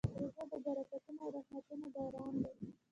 روژه د برکتونو او رحمتونو باران دی.